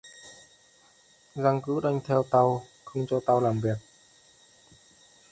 Răng cứ đoanh theo tau không cho tau làm việc, đi chơi đi